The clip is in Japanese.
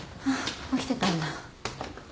起きてたんだ。